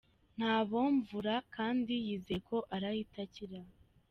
Ntabomvura kandi yizeye ko arahita akira.